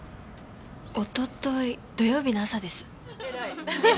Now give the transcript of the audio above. おととい土曜日の朝です。